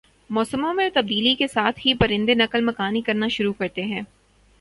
موسموں میں تبدیلی کے ساتھ ہی پرندے نقل مکانی کرنا شروع کرتے ہیں